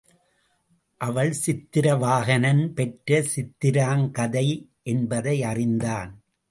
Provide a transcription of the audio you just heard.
அவள் சித்திர வாகனன் பெற்ற சித்திராங்கதை என்பதை அறிந்தான்.